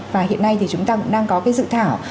và hiện nay thì chúng ta cũng đang có cái dự thảo